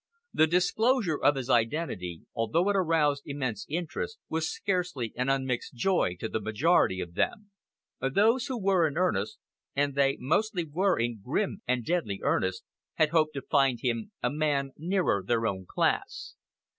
The disclosure of his identity, although it aroused immense interest, was scarcely an unmixed joy to the majority of them. Those who were in earnest and they mostly were in grim and deadly earnest had hoped to find him a man nearer their own class.